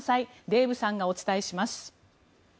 デーブさんがお伝えします。